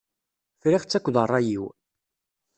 Friɣ-tt akked rray-iw.